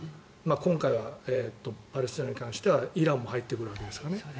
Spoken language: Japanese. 今回はパレスチナに関してはイランも入ってきますよね。